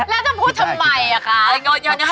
แล้วจะพูดทำไมอ่ะคะ